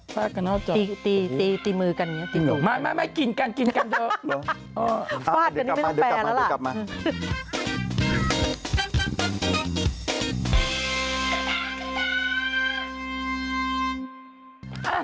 ฟาดกันนอกจอตีมือกันมากินกันฟาดกันนี่ไม่มีแปลละล่ะ